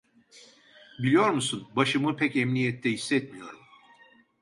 Biliyor musun, başımı pek emniyette hissetmiyorum…